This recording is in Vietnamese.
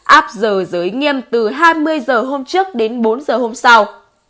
áp giờ giới nghiêm từ hai mươi h hôm trước đến bốn giờ hôm sau